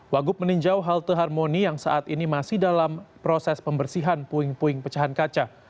wagup meninjau halte harmoni yang saat ini masih dalam proses pembersihan puing puing pecahan kaca